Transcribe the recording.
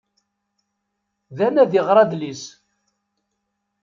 Dan ad iɣer adlis.